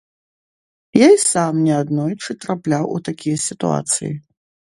Я і сам неаднойчы трапляў у такія сітуацыі.